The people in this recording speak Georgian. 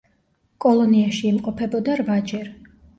კოლონიაში იმყოფებოდა რვაჯერ.